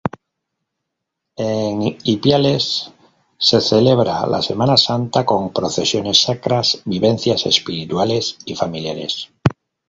En Ipiales se celebra la Semana Santa, con procesiones sacras, vivencias espirituales y familiares.